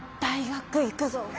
大学行くぞ。